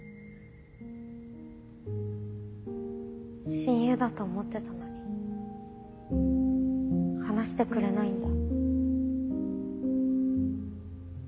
親友だと思ってたのに話してくれないんだ。